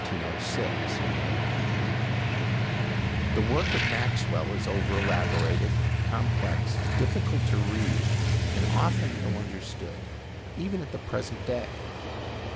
] The work of Maxwell is over elaborated, complex, difficult to read, and often ill understood, even at the present day.